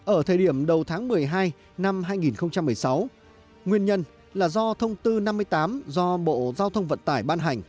ở thời điểm đầu tháng một mươi hai năm hai nghìn một mươi sáu nguyên nhân là do thông tư năm mươi tám do bộ giao thông vận tải ban hành